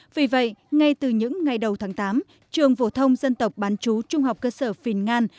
vì vậy ngay từ những ngày đầu tháng tám trường phổ thông dân tộc bán chú trung học cơ sở phìn ngan